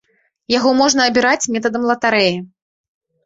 Яго можна абіраць метадам латарэі.